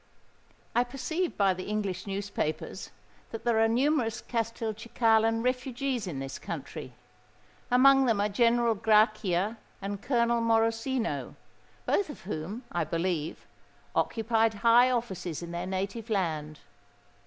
"I perceive by the English newspapers, that there are numerous Castelcicalan refugees in this country. Amongst them are General Grachia and Colonel Morosino, both of whom, I believe, occupied high offices in their native land.